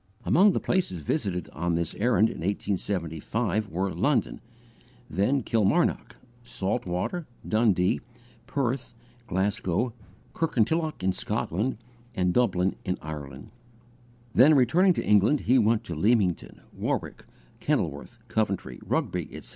Among the places visited on this errand in 1875, were London; then Kilmarnock, Saltwater, Dundee, Perth, Glasgow, Kirkentilloch in Scotland, and Dublin in Ireland; then, returning to England, he went to Leamington, Warwick, Kenilworth, Coventry, Rugby, etc.